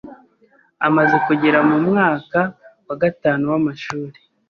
Amaze kugera mu mwaka wa gatanu w’amashuri